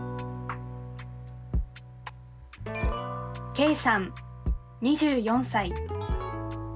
佳さん２４歳。